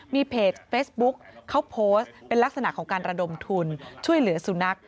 มีเพจเฟซบุ๊คเขาโพสต์เป็นลักษณะของการระดมทุนช่วยเหลือสุนัข